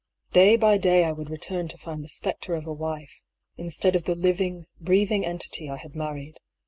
Day by day I would return to find the spectre of a wife, instead of the living, breathing entity I had mar ried.